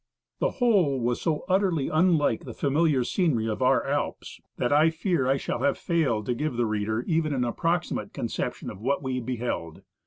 The whole was so utterly unlike the familiar scenery of our Alps, that I fear I shall have failed to give the reader even an approximate conception of what we beheld.